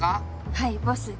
はいボス。